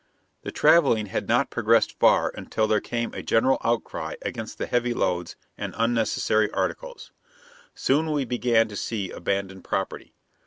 The traveling had not progressed far until there came a general outcry against the heavy loads and unnecessary articles. Soon we began to see abandoned property.